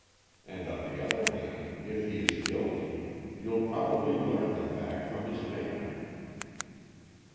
And on the other hand, if he is guilty, you'll probably learn the fact from his manner."